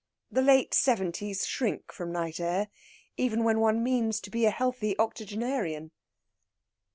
The late seventies shrink from night air, even when one means to be a healthy octogenarian.